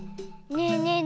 ねえねえ